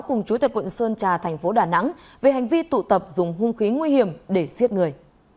cùng chủ tịch quận sơn trà tp đà nẵng về hành vi tụ tập dùng hung khí nguy hiểm để siết người